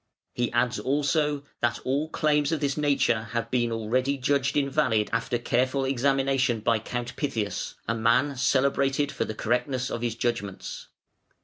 "He adds also that all claims of this nature have been already judged invalid after careful examination by Count Pythias, a man celebrated for the correctness of his judgments.